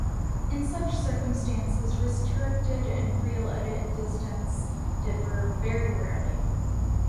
In such circumstances, restricted and real edit distance differ very rarely.